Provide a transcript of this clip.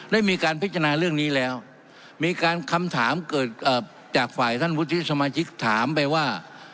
ได้มีการพิจารณาเรื่องนี้แล้วมีการคำถามเกิดจากฝ่ายท่านวุฒิสมาชิกถามไปว่า